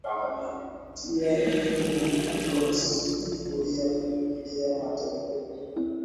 Tia chumvi kwenye sufuria kupikia matembele